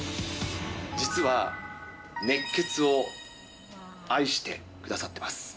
実は、熱ケツを愛してくださっています。